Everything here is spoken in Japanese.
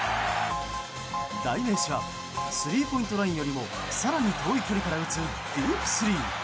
代名詞はスリーポイントラインよりも更に遠い距離から打つディープスリー。